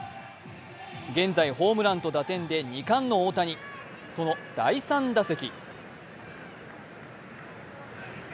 現在ホームランと打点で２冠の大谷、その第３打席。